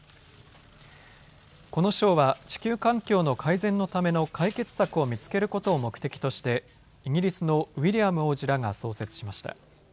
この賞は地球環境の改善のための解決策を見つけることを目的としてイギリスのウィリアム王子らが創設しました。